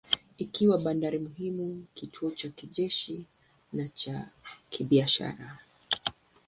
Ikawa bandari muhimu, kituo cha kijeshi na cha kibiashara.